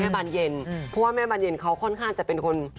เพราะว่าแม่บรรเย็นเขาค่อนข้างจะเป็นคน